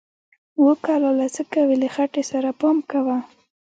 و کلاله څه کوې، له خټې سره پام کوه!